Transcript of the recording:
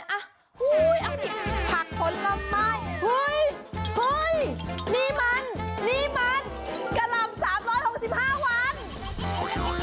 อ้าวเอาสิผักผลไม้นี่มันนี่มันกะล่ำ๓๖๕วัน